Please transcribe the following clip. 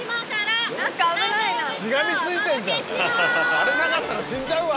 「あれなかったら死んじゃうわ！」